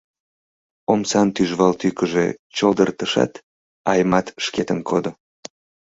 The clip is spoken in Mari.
Омсан тӱжвал тӱкыжӧ чолдыртышат, Аймат шкетын кодо.